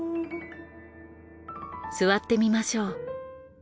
座ってみましょう。